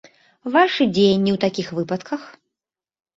Вашы дзеянні ў такіх выпадках?